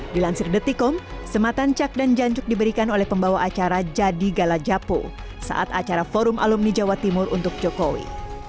dilansir detikom sematan cak dan janjuk diberikan oleh pembawa acara jadi gala japo saat acara forum alumni jawa timur untuk jokowi